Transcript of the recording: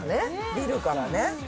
ビルからね。